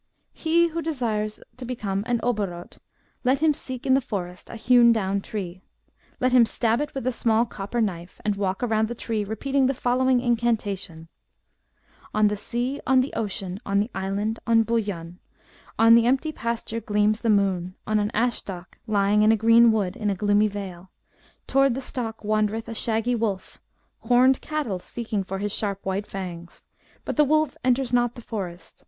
" He who desires to become an oborot, let him seek in the forest a hewn down tree ; let him stab it with a small copper knife, and walk round the tree, repeating the following incantation :— On the sea, on the ocean, on the island, on Bujan, On the empty pasture gleams the moon, on an ashstock l3ring In a green wood, in a gloomy vale. Toward the stock wandereth a shaggy wolf, Homed cattle seeking for his sharp white fangs; But the wolf enters not the forest.